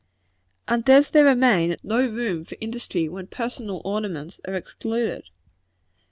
And does there remain no room for industry when personal ornaments are excluded?